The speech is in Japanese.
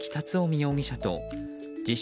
容疑者と自称